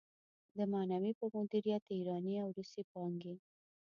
د معنوي په مديريت ايراني او روسي پانګې.